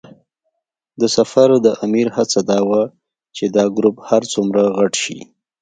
د سفر د امیر هڅه دا وه چې دا ګروپ هر څومره غټ شي.